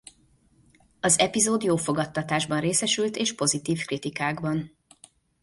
Az epizód jó fogadtatásban részesült és pozitív kritikákban.